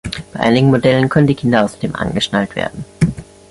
Bei einigen Modellen können die Kinder außerdem angeschnallt werden.